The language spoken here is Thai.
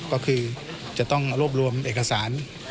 ก็คือจะต้องรวบรวมเอกสาร